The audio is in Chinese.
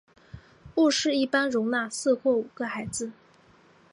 卧室一般容纳四或五个孩子。